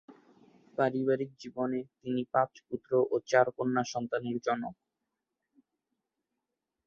পারিবারিক জীবনে তিনি পাঁচ পুত্র ও চার কন্যা সন্তানের জনক।